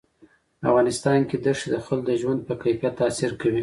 په افغانستان کې ښتې د خلکو د ژوند په کیفیت تاثیر کوي.